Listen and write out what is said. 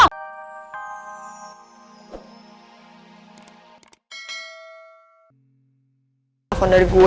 telepon dari gue